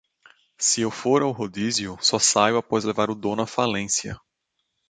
Se eu for ao rodízio, só saio após levar o dono à falência